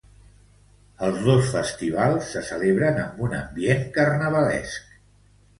Els dos festivals se celebren amb un ambient carnavalesc.